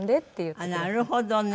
あっなるほどね。